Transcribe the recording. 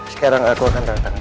sekarang aku akan tanda tangan